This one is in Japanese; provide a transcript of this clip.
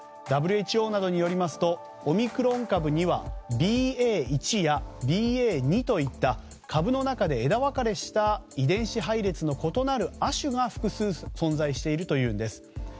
ＷＨＯなどによりますとオミクロン株にはＢＡ．１や、ＢＡ．２といった株の中で枝分かれした遺伝子配列の異なる亜種が複数存在しているというんです。